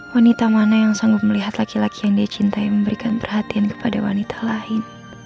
wanita mana yang sanggup melihat laki laki yang dia cintai memberikan perhatian kepada wanita lain